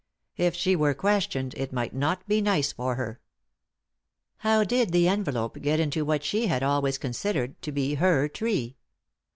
If she were questioned it might not be nice for her. How did the envelope get into what she had always considered to be her tree